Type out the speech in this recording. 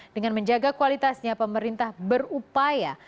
dengan menjaga kualitasnya pemerintah berupaya